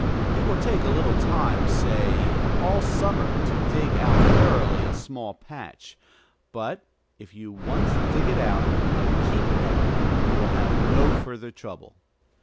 It will take a little time, say all summer, to dig out thoroughly a small patch; but if you once dig it out, and keep it out, you will have no further trouble.